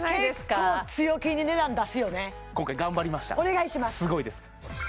結構強気に値段出すよね今回頑張りましたすごいですお願いします